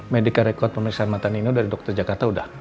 medica record pemirsaan mata nino dari dokter jakarta udah